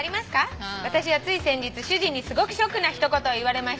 「私はつい先日主人にすごくショックな一言を言われました」